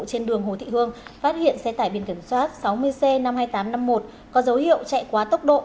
trên đường hồ thị hương phát hiện xe tải biển kiểm soát sáu mươi c năm mươi hai nghìn tám trăm năm mươi một có dấu hiệu chạy quá tốc độ